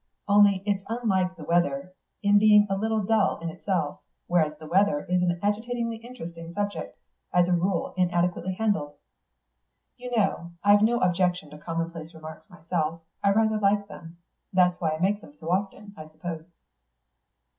Only it's unlike the weather in being a little dull in itself, whereas the weather is an agitatingly interesting subject, as a rule inadequately handled.... You know, I've no objection to commonplace remarks myself, I rather like them. That's why I make them so often, I suppose."